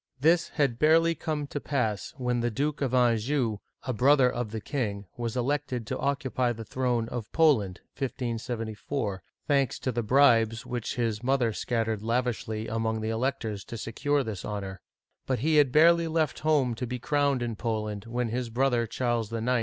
This had barely come to pass, when the Duke of Anjou, a brother of the king, was elected to occupy the throne of Poland (1574), — thanks to the bribes which his mother Digitized by Google 266 OLD FRANCE scattered lavishly among the electors to secure this honor. But he had barely left home to be crowned in Poland, when his brother Charles IX.